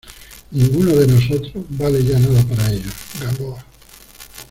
ninguno de nosotros vale ya nada para ellos, Gamboa.